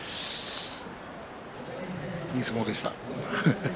いい相撲でした。